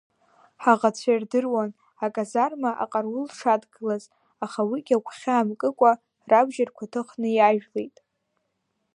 Ҳаӷацәа ирдыруан аказарма аҟарул дшадгылаз, аха уигьы агәхьаа мкыкәа рабџьарқәа ҭыхны иажәлеит.